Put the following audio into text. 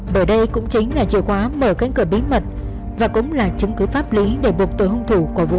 bởi đây cũng chính là chìa khóa mở cánh cửa bí mật và cũng là chứng cứ pháp lý để buộc tội hung thủ của vụ án